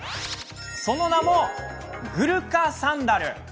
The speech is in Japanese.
その名も、グルカサンダル。